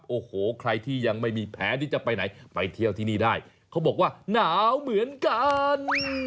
โอ้โหใครที่ยังไม่มีแผนที่จะไปไหนไปเที่ยวที่นี่ได้เขาบอกว่าหนาวเหมือนกัน